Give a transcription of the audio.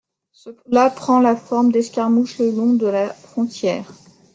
Cela prend la forme d’escarmouches le long de la frontière.